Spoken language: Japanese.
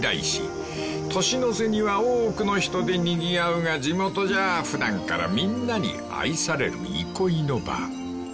［年の瀬には多くの人でにぎわうが地元じゃ普段からみんなに愛される憩いの場］